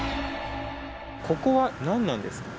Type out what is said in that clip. ここは何なんですか？